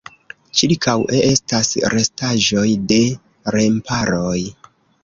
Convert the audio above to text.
Ĉirkaŭe estas restaĵoj de remparoj.